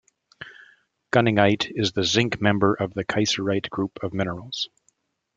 Gunningite is the zinc member of the kieserite group of minerals.